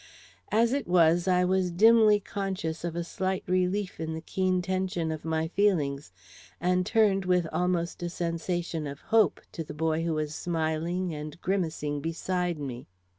As it was, I was dimly conscious of a slight relief in the keen tension of my feelings, and turned with almost a sensation of hope to the boy who was smiling and grimacing beside me.